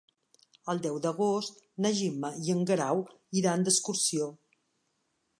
El deu d'agost na Gemma i en Guerau iran d'excursió.